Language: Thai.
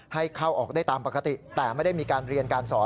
ให้เข้าออกได้ตามปกติแต่ไม่ได้มีการเรียนการสอน